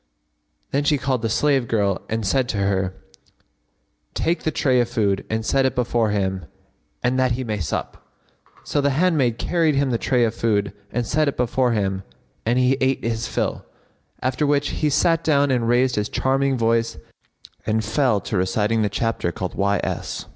Then she called a slave girl and said to her, "Take the tray of food and set it before him that he may sup." So the handmaid carried him the tray of food and set it before him and he ate his fill: after which he sat down and raised his charming voice and fell to reciting the chapter called Y. S.